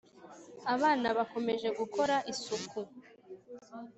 abana bakomeje gukora isuku